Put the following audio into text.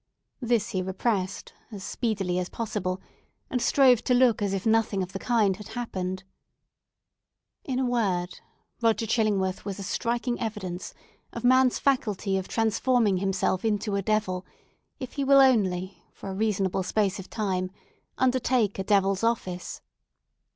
This he repressed as speedily as possible, and strove to look as if nothing of the kind had happened. In a word, old Roger Chillingworth was a striking evidence of man's faculty of transforming himself into a devil, if he will only, for a reasonable space of time, undertake a devil's office.